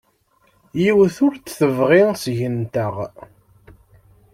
Yiwet ur t-tebɣi seg-nteɣ.